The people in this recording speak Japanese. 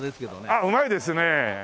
あっうまいですね。